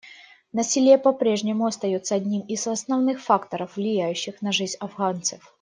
Насилие по-прежнему остается одним из основных факторов, влияющих на жизнь афганцев.